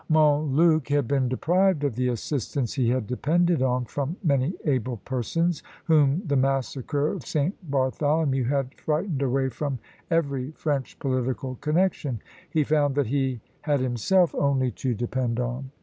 Montluc had been deprived of the assistance he had depended on from many able persons, whom the massacre of St. Bartholomew had frightened away from every French political connexion. He found that he had himself only to depend on.